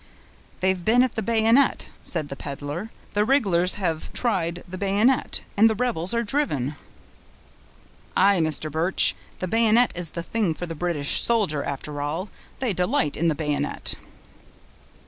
"They've been at the bayonet," said the peddler; "the rig'lars have tried the bayonet, and the rebels are driven." "Aye, Mr. Birch, the bayonet is the thing for the British soldier, after all. They delight in the bayonet!"